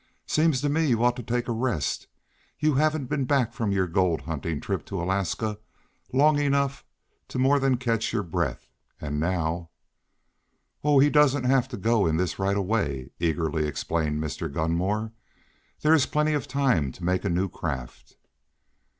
Seems to me you ought to take a rest. You haven't been back from your gold hunting trip to Alaska long enough to more than catch your breath, and now " "Oh, he doesn't have to go in this right away," eagerly explained Mr. Gunmore. "There is plenty of time to make a new craft."